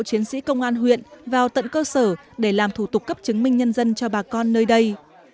chiến sĩ công an huyện vào tận cơ sở để làm thủ tục cấp chứng minh nhân dân cho bà con nơi đây